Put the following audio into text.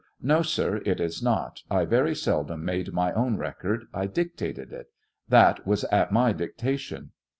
No, sir, it is not ; 1 very seldom made my own record, I dictated it ; that was at my dictation.